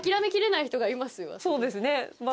そうですね。